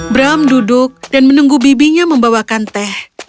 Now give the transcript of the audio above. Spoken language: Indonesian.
bram duduk dan menunggu bibinya membawakan teh